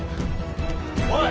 おい！